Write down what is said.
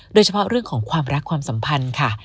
โดยเฉพาะเรื่องของความรักความสัมพันธ์ค่ะ